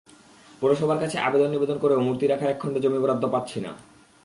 পৌরসভার কাছে আবেদন–নিবেদন করেও মূর্তি রাখার একখণ্ড জমি বরাদ্দ পাচ্ছি না।